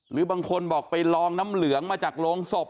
หรือบางคนบอกไปลองน้ำเหลืองมาจากโรงศพ